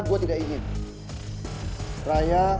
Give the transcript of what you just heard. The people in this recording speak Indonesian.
gue tidak ingin raya